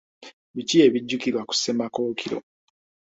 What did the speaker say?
Biki ebijjukirwa ku Ssemakookiro?